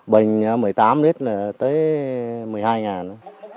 bênh một mươi tám lít là tới một mươi hai ngàn